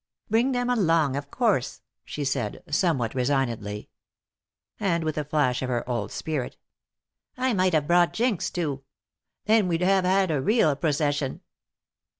"Bring them along, of course," she said, somewhat resignedly. And with a flash of her old spirit: "I might have brought Jinx, too. Then we'd have had a real procession."